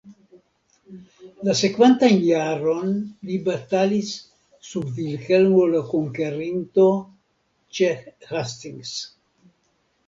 La sekvantan jaron li batalis sub Vilhelmo la Konkerinto ĉe Hastings.